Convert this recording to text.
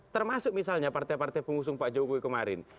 termasuk misalnya partai partai pengusung pak jokowi kemarin